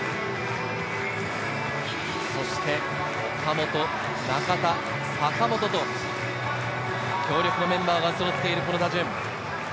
そして岡本、中田、坂本と強力なメンバーがそろっているこの打順。